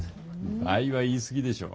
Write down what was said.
倍は言い過ぎでしょ。